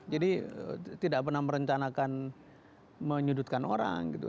jadi tidak pernah merencanakan menyudutkan orang gitu